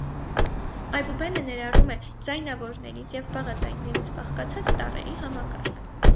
Այբուբենը ներառում է ձայնավորներից և բաղաձայններից բաղկացած տառերի համակարգ։